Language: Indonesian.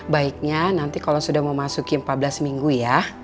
baiknya nanti kalau sudah memasuki empat belas minggu ya